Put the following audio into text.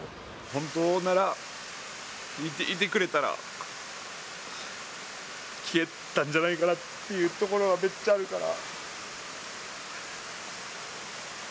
本当なら、生きていてくれたら、聞けたんじゃないかなっていうところがめっちゃあるから。